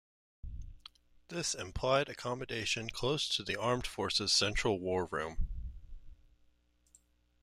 This implied accommodation close to the armed forces' Central War Room.